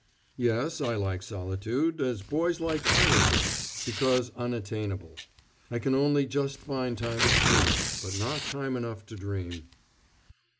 "Yes, I like solitude, as boys like piracy, because unattainable. I can only just find time to sleep, but not time enough to dream."